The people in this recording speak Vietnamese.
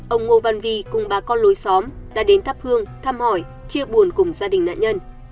ông ngô văn vi cùng bà con lối xóm đã đến thắp hương thăm hỏi chia buồn cùng gia đình nạn nhân